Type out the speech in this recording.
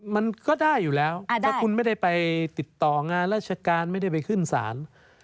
มันก็ได้อยู่แล้วถ้าคุณไม่ได้ไปติดต่องานราชการไม่ได้ไปขึ้นศาล